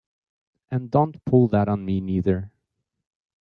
And don't pull that on me neither!